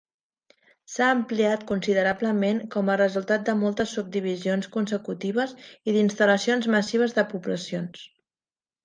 S'ha ampliat considerablement com a resultat de moltes subdivisions consecutives i d'instal·lacions massives de poblacions.